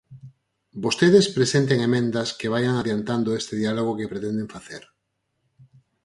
Vostedes presenten emendas que vaian adiantando este diálogo que pretenden facer.